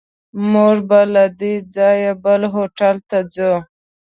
موږ به له دې ځایه بل هوټل ته ځو.